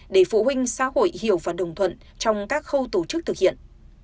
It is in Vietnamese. để phụ huynh xã hội hiểu và đồng thuận trong các khâu tổ chức thực hiện